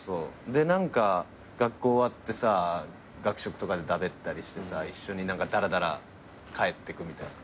で何か学校終わってさ学食とかでだべったりしてさ一緒に何かだらだら帰ってくみたいな。